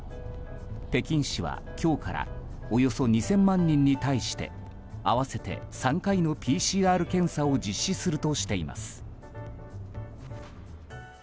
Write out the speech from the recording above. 北京市は今日からおよそ２０００万人に対して合わせて３回のＰＣＲ検査を実施するとしています。